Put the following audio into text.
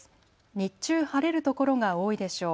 日中晴れる所が多いでしょう。